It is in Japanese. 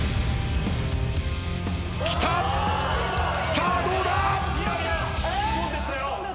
さあどうだ！？